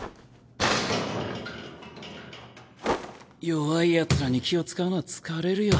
弱いヤツらに気を遣うのは疲れるよ